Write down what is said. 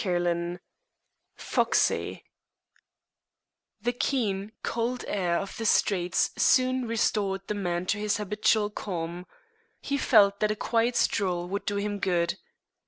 CHAPTER XVI FOXEY The keen, cold air of the streets soon restored the man to his habitual calm. He felt that a quiet stroll would do him good.